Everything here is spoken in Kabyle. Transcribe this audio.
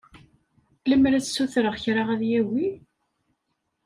Lemmer ad s-ssutreɣ kra ad yagi?